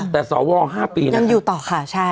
แต่สว๕ปียังอยู่ต่อค่ะ